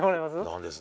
何です？